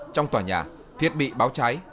trong tòa nhà thiết bị báo cháy